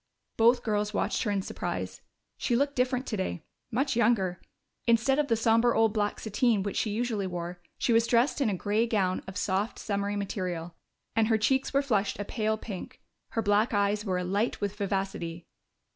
Both girls watched her in surprise. She looked different today much younger. Instead of the somber old black sateen which she usually wore, she was dressed in a gray gown of soft, summery material, and her cheeks were flushed a pale pink. Her black eyes were alight with vivacity.